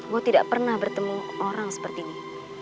gue tidak pernah bertemu orang seperti ini